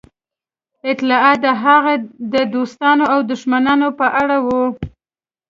اطلاعات د هغه د دوستانو او دښمنانو په اړه وو